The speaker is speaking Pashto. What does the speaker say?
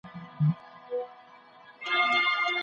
خپل ځان له هر ډول ضرر وساتئ.